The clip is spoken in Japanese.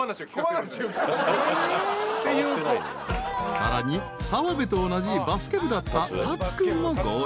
［さらに澤部と同じバスケ部だった達君も合流］